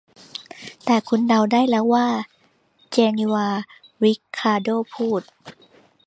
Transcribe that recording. แต่คุณเดาได้แล้วว่า 'เจนีวา' ริคาร์โด้พูด